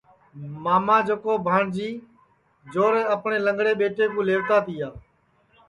کہ ماما جکو بھانجی جورے اپٹؔے لنگڑے ٻیٹے کُو لئیوتا تیا